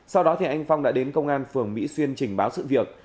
sau đó thì anh phong đã đến công an phường mỹ xuyên trình báo sự việc